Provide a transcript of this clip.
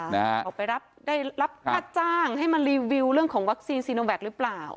ออกไปรับได้รับค่าจ้างให้มารีวิวเรื่องของวัคซีนซีโนแวคหรือเปล่า